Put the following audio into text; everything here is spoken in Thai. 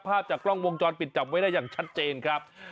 ภาพจากกล้องวงจรปิดจับไว้ได้อย่างชัดเจนครับ